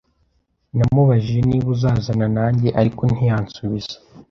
Namubajije niba uzazana nanjye, ariko ntiyansubiza.